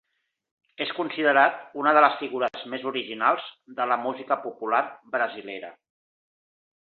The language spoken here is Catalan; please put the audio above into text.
És considerat una de les figures més originals de la música popular brasilera.